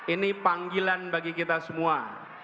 ini panggilan bagi kita semua